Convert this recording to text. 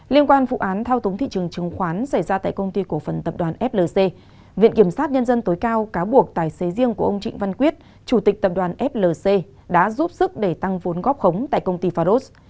liên quan vụ án thao túng thị trường chứng khoán xảy ra tại công ty cổ phần tập đoàn flc viện kiểm sát nhân dân tối cao cáo buộc tài xế riêng của ông trịnh văn quyết chủ tịch tập đoàn flc đã giúp sức để tăng vốn góp khống tại công ty faros